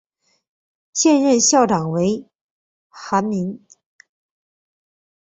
现任校长为韩民。